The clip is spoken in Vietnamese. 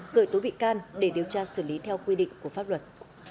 khởi tố bị can để điều tra xử lý theo quy định của pháp luật